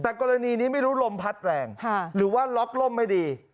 แต่กรณีนี้ไม่รู้ลมพัดแรงหรือว่าล็อกล่มไม่ดี